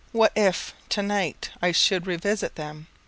What if, to night, I should revisit them?